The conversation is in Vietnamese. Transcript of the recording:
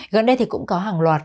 gần đây cũng có hàng loạt